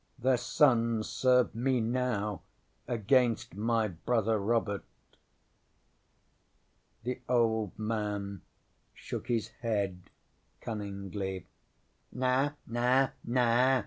ŌĆ£Their sons serve me now against my Brother Robert! ŌĆØ ŌĆśThe old man shook his head cunningly. ŌĆ£Na Na Na!